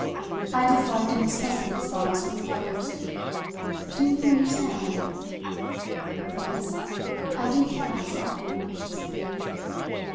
I disliked and mistrusted these fellows from the first. Didn't you understand?" "Yes; I did keep out of sight," she said.